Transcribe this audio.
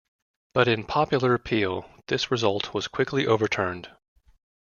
But in popular appeal, this result was quickly overturned.